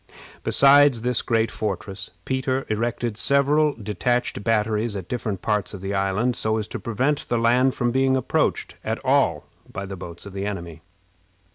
Besides this great fortress, Peter erected several detached batteries at different parts of the island, so as to prevent the land from being approached at all by the boats of the enemy.